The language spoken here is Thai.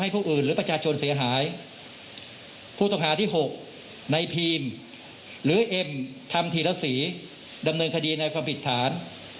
ผู้ต้องหาที่๖ในพีมหรือเอ็มธรรมธีรศรีดำเนินคดีในความผิดฐาน